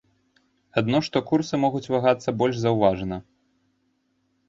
Адно што курсы могуць вагацца больш заўважна.